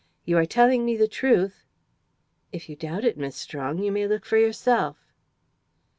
"You are telling me the truth?" "If you doubt it, Miss Strong, you may look for yourself."